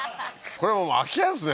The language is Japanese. これはもう空き家ですね